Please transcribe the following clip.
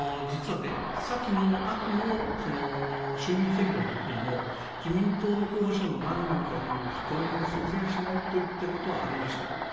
実は先の秋の衆議院選挙の時にも自民党の候補者の何人かに公明党が推薦しないと言ったことはありました。